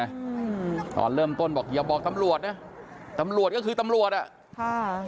อืมตอนเริ่มต้นบอกอย่าบอกตำรวจนะตำรวจก็คือตำรวจอ่ะค่ะ